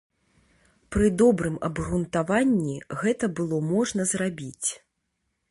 Пры добрым абгрунтаванні гэта было можна зрабіць.